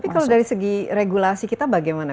tapi kalau dari segi regulasi kita bagaimana